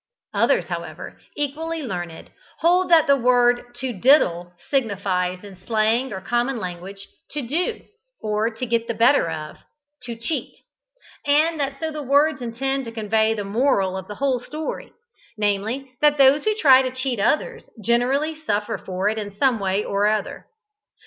Others, however, equally learned, hold that the word to "diddle" signifies, in slang or common language, to "do" to "get the better of" "to cheat," and that so the words intend to convey the moral of the whole story; namely, that those who try to cheat others generally suffer for it in some way or other.